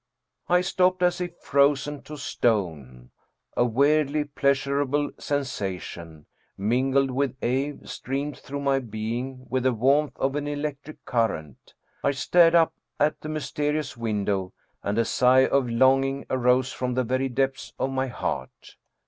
I stopped as if frozen to stone ; a weirdly pleasurable sen sation, mingled with awe, streamed through my being with the warmth of an electric current. I stared up at the mys terious window and a sigh of longing arose from the very depths of my heart.